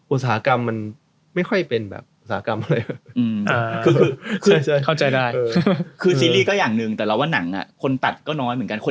อุตสาหกรรมมันไม่ค่อยเป็นแบบราคา